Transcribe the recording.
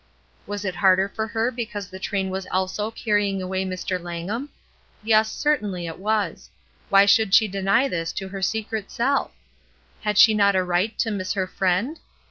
Was it harder for her because the train was also carrying away Mr. Langham? Yes, certainly it was. Why should she deny this to her secret self? Had she not a right to miss her friend?